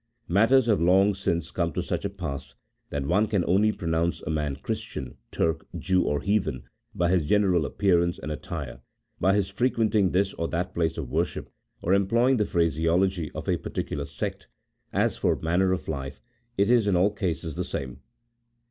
Matters have long since come to such a pass, that one can only pronounce a man Christian, Turk, Jew, or Heathen, by his general appearance and attire, by his frequenting this or that place of worship, or employing the phraseology of a particular sect — as for manner of life, it is in all cases the same.